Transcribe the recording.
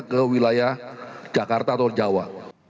ke wilayah jakarta atau jawa